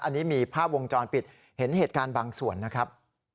อันนี้มีภาพวงจรปิดเห็นเหตุการณ์บางส่วนนะครับ